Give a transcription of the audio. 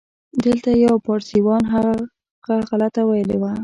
دلته یو پاړسیوان و، هغه غلطه ویلې وه.